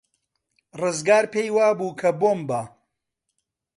ڕزگار پێی وابوو کە بۆمبە.